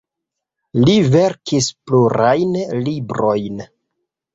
Li verkis plurajn librojn.